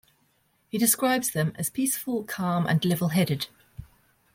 He describes them as peaceful, calm, and levelheaded.